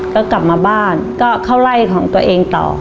ก็กลับมาบ้านก็เข้าไล่ของตัวเองต่อ